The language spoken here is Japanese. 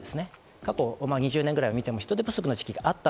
過去２０年ぐらい見ても人手不足の時期があった。